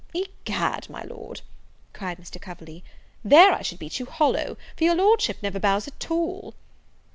"Egad, my Lord," cried Mr. Coverley, "there I should beat you hollow, for your Lordship never bows at all."